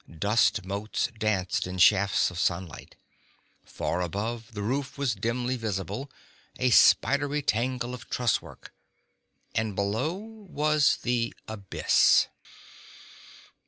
Dust motes danced in shafts of sunlight. Far above, the roof was dimly visible, a spidery tangle of trusswork. And below was the abyss.